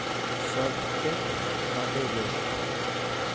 شرٽ ڦاٽي گيو.